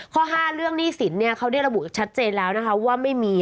ข้อ๕เรื่องหนี้สินเขาได้ระบุชัดเจนแล้วนะคะว่าไม่มี